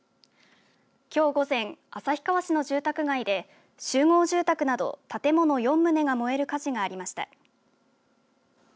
きょう午前、旭川市の住宅街で集合住宅など建物４棟が燃える火事がありました。